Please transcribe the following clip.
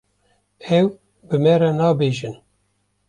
Ew bi me re nabêjin.